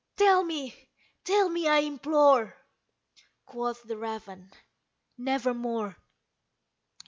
tell me tell me, I implore!" Quoth the raven, "Nevermore."